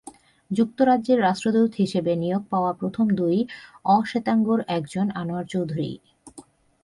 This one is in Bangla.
যুক্তরাজ্যের রাষ্ট্রদূত হিসেবে নিয়োগ পাওয়া প্রথম দুই অশ্বেতাঙ্গর একজন আনোয়ার চৌধুরী।